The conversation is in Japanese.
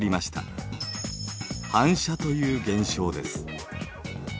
「反射」という現象です。